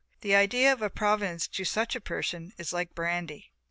The idea of a Providence to such a person is like brandy.